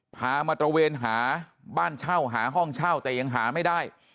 พามาตระเวนหาบ้านเช่าหาห้องเช่าแต่ยังหาไม่ได้